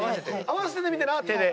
合わせてみてな「テ」で。